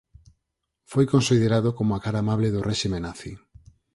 Foi considerado como a «cara amable» do réxime nazi.